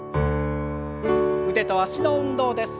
腕と脚の運動です。